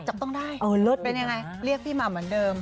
จำต้องได้เป็นยังไงเรียกพี่มาเหมือนเดิม